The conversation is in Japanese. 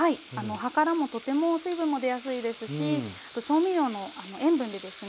葉からもとても水分も出やすいですし調味料の塩分でですね